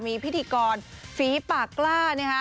มีพิธีกรฟีปากล้า